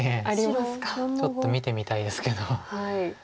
ちょっと見てみたいですけど。